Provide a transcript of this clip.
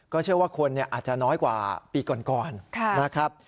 ก็เชื่อว่าคนนี้อาจจะน้อยกว่าปีก่อนก่อนนะครับ